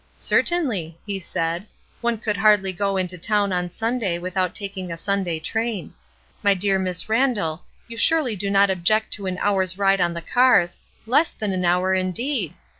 "Certainly," he said. ''One could hardly go to town on Sunday without taking a Sunday train. My dear Miss Randall, you surely do not object to an hour^s ride on the cars — less than an hour, indeed!